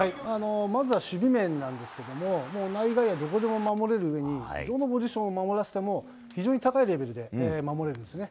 まずは守備面なんですけれども、もう内野、外野でどこでも守れるのに、どのポジションを守らせても、非常に高いレベルで守れるんですね。